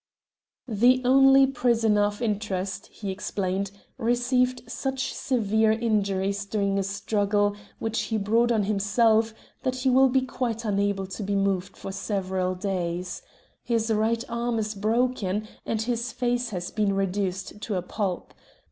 "The only prisoner of interest," he explained, "received such severe injuries during a struggle which he brought on himself that he will be quite unable to be moved for several days. His right arm is broken, and his face has been reduced to a pulp.